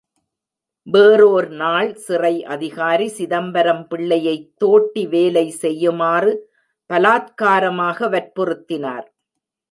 வேறோர் நாள் சிறை அதிகாரி, சிதம்பரம் பிள்ளையைத் தோட்டி வேலை செய்யுமாறு பலாத்காரமாக வற்புறுத்தினார்.